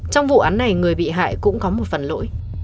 trong vụ án này người bị hại cũng có một phần lỗi